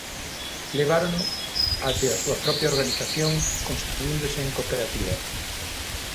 Levárono até a súa propia organización, constituíndose en cooperativa.